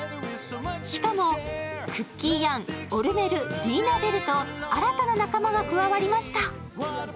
しかも、クッキー・アン、オル・メル、リーナ・ベルと新たな仲間が加わりました。